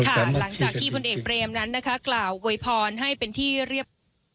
หลังจากที่พลเอกเบรมนั้นกล่าวโวยพรให้เป็นที่เรียบ